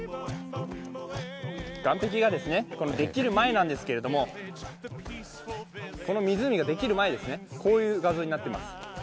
岸壁ができる前なんですけど、この湖ができる前はこういう画像になっています。